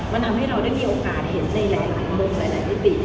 มันทำให้เราได้มีโอกาสเห็นว่าในหลายเมืองไหล่น้ำตี